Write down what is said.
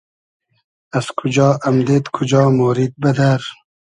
از کوجا امدېد کوجا مۉرید بئدئر؟